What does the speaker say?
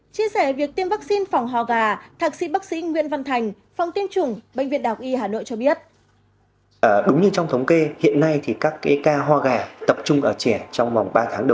chia sẻ việc tiêm vaccine phòng hoa gà thạc sĩ bác sĩ nguyễn văn thành